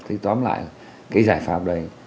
thì tóm lại cái giải pháp này